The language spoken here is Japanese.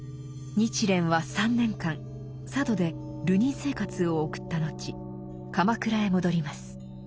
日蓮は３年間佐渡で流人生活を送った後鎌倉へ戻ります。